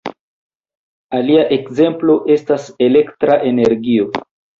Alia ekzemplo estas elektra energio.